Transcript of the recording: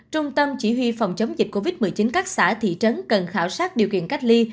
trung tâm chỉ huy phòng chống dịch covid một mươi chín các xã thị trấn cần khảo sát điều kiện cách ly